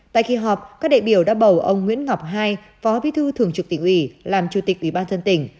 tại kỳ họp các đại biểu đã bầu ông nguyễn ngọc hai phó bí thư thường trực tỉnh ủy làm chủ tịch ủy ban dân tỉnh